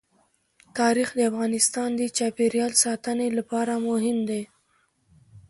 تاریخ د افغانستان د چاپیریال ساتنې لپاره مهم دي.